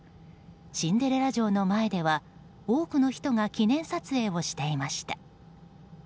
シンデレラ城の前では多くの人が記念撮影をしていました。